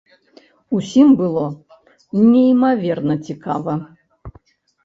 Усім было неймаверна цікава.